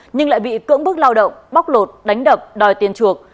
nhưng lại bị cưỡng bức lao động bóc lột đánh đập đòi tiền chuộc